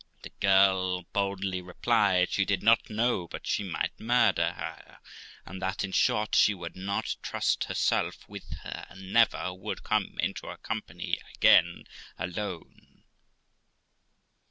The girl boldly replied, she did not know but she might murder her; and that, in short, she would not trust herself with her, and never would come into her company again alone.